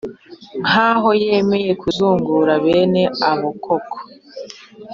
nk aho yemeye kuzungura bene abo koko